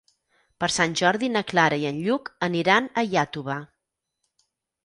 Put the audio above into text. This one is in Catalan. Per Sant Jordi na Clara i en Lluc aniran a Iàtova.